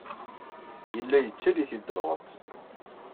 Yella yettaley-it-id lɣeṭṭ.